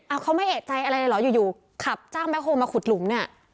เอาเขาไม่เอกใจอะไรเลยเหรออยู่อยู่ขับจ้างแก๊โฮลมาขุดหลุมเนี่ย